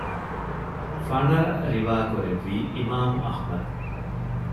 ފަނަރަ ރިވާކުރެއްވީ އިމާމު އަޙްމަދު